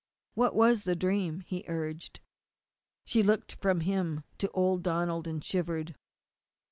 "What was the dream?" he urged. She looked from him to old Donald, and shivered.